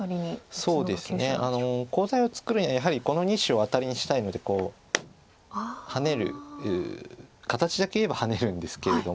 そうですねコウ材を作るにはやはりこの２子をアタリにしたいのでハネる形だけ言えばハネるんですけれども。